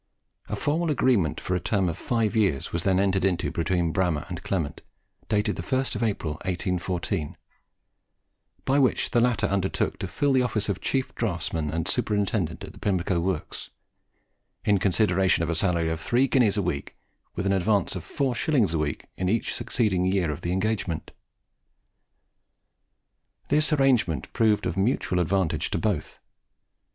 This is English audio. A formal agreement for a term of five years was then entered into between Bramah and Clement, dated the 1st of April, 1814, by which the latter undertook to fill the office of chief draughtsman and superintendent of the Pimlico Works, in consideration of a salary of three guineas a week, with an advance of four shillings a week in each succeeding year of the engagement. This arrangement proved of mutual advantage to both.